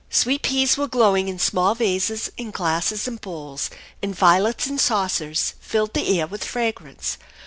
Sweet peas were glowing in small vases and glasses and bowls, and violets in saucers filled the air with fragrance.